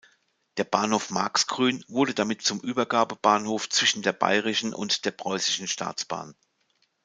Der Bahnhof Marxgrün wurde damit zum Übergabebahnhof zwischen der bayerischen und der preußischen Staatsbahn.